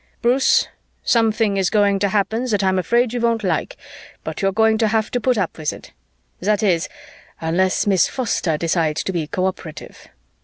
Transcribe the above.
Bruce, something is going to happen that I'm afraid you won't like, but you're going to have to put up with it. That is, unless Miss Foster decides to be cooperative."